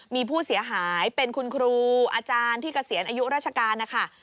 มีผู้เสียหายเป็นคุณครูอาจารย์ที่เกษียณอายุราชการนะคะ